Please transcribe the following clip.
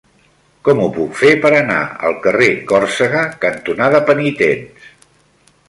Com ho puc fer per anar al carrer Còrsega cantonada Penitents?